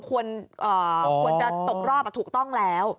ควรจะตกรอบถูกต้องแล้ว